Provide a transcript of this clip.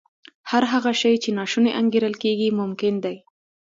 هر هغه شی چې ناشونی انګېرل کېږي ممکن دی